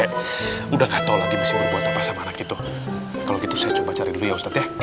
ya ustadz saya udah gak tau lagi masih membuat apa sama anak itu kalau gitu saya coba cari dulu ya ustadz ya